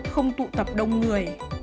không tụ tập đông người